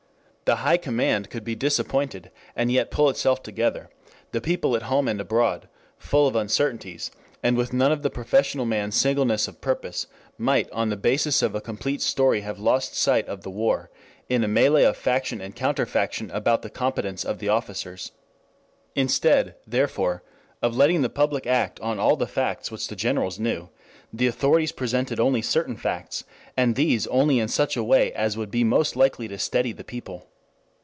The High Command could be disappointed, and yet pull itself together; the people at home and abroad, full of uncertainties, and with none of the professional man's singleness of purpose, might on the basis of a complete story have lost sight of the war in a melee of faction and counter faction about the competence of the officers. Instead, therefore, of letting the public act on all the facts which the generals knew, the authorities presented only certain facts, and these only in such a way as would be most likely to steady the people.